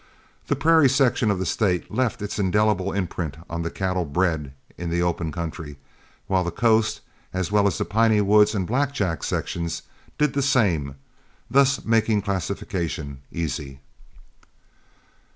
The prairie section of the State left its indelible imprint on the cattle bred in the open country, while the coast, as well as the piney woods and black jack sections, did the same, thus making classification easy.